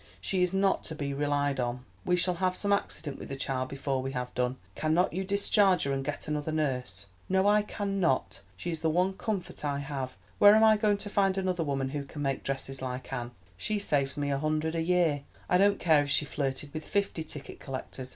She is not to be relied on; we shall have some accident with the child before we have done. Cannot you discharge her and get another nurse?" "No, I cannot. She is the one comfort I have. Where am I going to find another woman who can make dresses like Anne—she saves me a hundred a year—I don't care if she flirted with fifty ticket collectors.